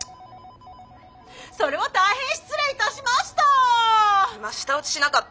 それは大変失礼いたしました。